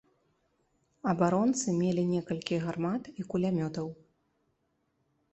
Абаронцы мелі некалькі гармат і кулямётаў.